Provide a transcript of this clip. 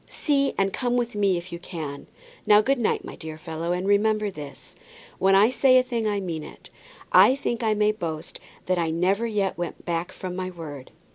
See and come with me if you can. Now, good night, my dear fellow, and remember this, when I say a thing I mean it. I think I may boast that I never yet went back from my word."